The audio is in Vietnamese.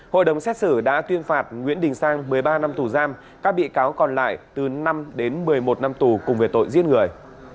hội đồng xét xử đã tuyên phạt nguyễn đình sang một mươi ba năm tù giam các bị cáo còn lại từ năm đến một mươi một năm tù cùng về tội giết người